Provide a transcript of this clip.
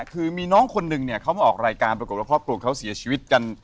คือมีน้องคนหนึ่งเนี่ยเขามาออกรายการปรากฏว่าครอบครัวเขาเสียชีวิตกัน